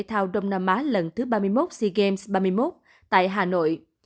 thao đông nam á lần thứ ba mươi một sea games ba mươi một tại hà nội